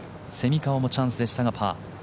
蝉川もチャンスでしたがパー。